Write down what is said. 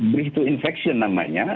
berikut infeksi namanya